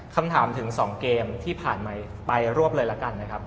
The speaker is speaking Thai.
คำถามถึง๒เกมที่ผ่านมาไปรวบเลยละกันนะครับ